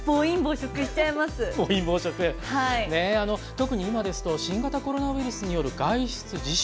特に今ですと新型コロナウイルスによる外出自粛などでですね